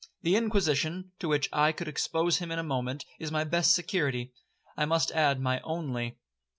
The Inquisition, to which I could expose him in a moment, is my best security—I must add, my only.